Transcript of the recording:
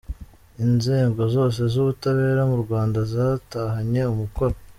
Inzego zose z’Ubutabera mu Rwanda zatahanye umukoro.